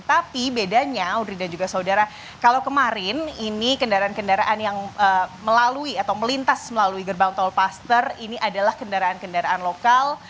tapi bedanya audrey dan juga saudara kalau kemarin ini kendaraan kendaraan yang melalui atau melintas melalui gerbang tol paster ini adalah kendaraan kendaraan lokal